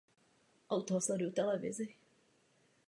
Obcí prochází i autobusová doprava z Vysokého Mýta do Chocně a zpět.